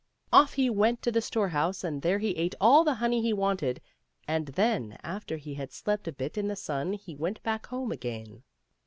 Off he went to the storehouse, and there he ate all the honey he wanted, and then, after he had slept a bit in the sun, he went back home again.